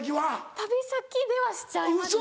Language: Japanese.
旅先ではしちゃいますね。